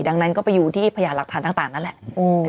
ดังนั้นก็ไปอยู่ที่พยานหลักฐานต่างนั่นแหละ